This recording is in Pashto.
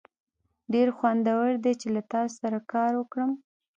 ډیر خوندور دی چې له تاسو سره کار وکړم.